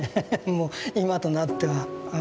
もう今となっては。